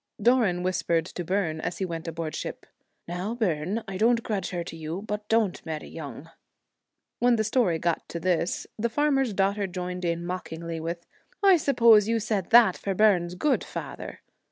Doran whispered to Byrne as he went aboard 57 The ship, ' Now, Byrne, I don't grudge her Celtic Twilight, to you, but don t marry young. When the story got to this, the farmer's daughter joined in mockingly with, ' I suppose you said that for Byrne's good, father.'